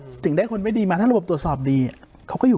ถึงได้คนไม่ดีมาถ้าระบบตรวจสอบดีเขาก็อยู่